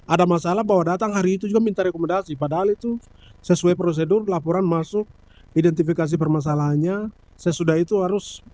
ada masalah bahwa datang hari itu juga minta rekomendasi padahal itu sesuai prosedur laporan masuk identifikasi permasalahannya sesudah itu harus